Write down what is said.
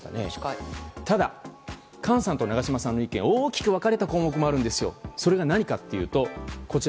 ただ、菅さんと長島さんの意見大きく分かれた項目もあるんです。